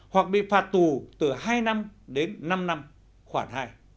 hoặc bị phạt tù từ hai năm đến năm năm khoảng hai